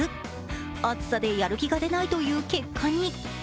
暑さでやる気が出ないという結果に。